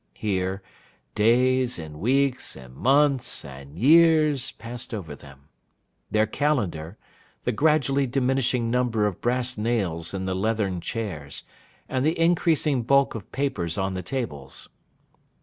Here, days, and weeks, and months, and years, passed over them: their calendar, the gradually diminishing number of brass nails in the leathern chairs, and the increasing bulk of papers on the tables.